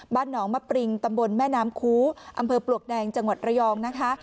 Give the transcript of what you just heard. น้องมะปริงตำบลแม่น้ำคูอำเภอปลวกแดงจังหวัดระยองนะคะ